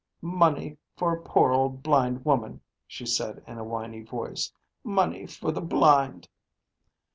"Money for a poor blind woman," she said in a whiny voice. "Money for the blind."